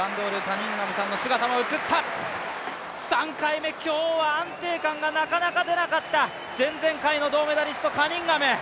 ３回目、今日は安定感がなかなか出なかった前々回の銅メダリスト、カニンガム。